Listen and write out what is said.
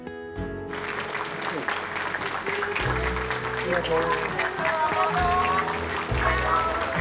ありがとう！